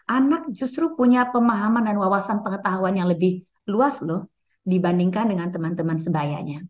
anak justru punya pemahaman dan wawasan pengetahuan yang lebih luas loh dibandingkan dengan teman teman sebayanya